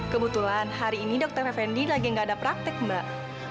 kebetulan hari ini dokter effendi lagi nggak ada praktek mbak